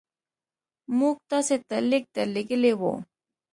موږ تاسي ته لیک درلېږلی وو.